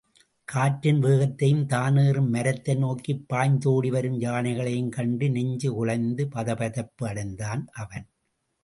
காற்றின் வேகத்தையும் தான் ஏறும் மரத்தை நோக்கிப் பாய்ந்தோடிவரும் யானைகளையும் கண்டு நெஞ்சு குலைந்து பதைபதைப்பு அடைந்தான் அவன்.